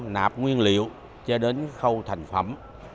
nạp nguyên liệu cho đến khâu thành phẩm